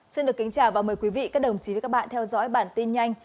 xin được kính chào và mời quý vị các đồng chí với các bạn theo dõi bản tin nhanh